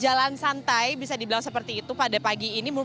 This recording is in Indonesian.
jalan santai bisa dibilang seperti itu pada pagi ini